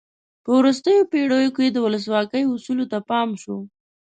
په وروستیو پیړیو کې د ولسواکۍ اصولو ته پام شو.